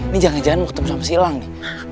ini jangan jangan mau ketemu sama si elang nih